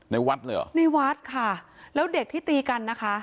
วัดเลยเหรอในวัดค่ะแล้วเด็กที่ตีกันนะคะ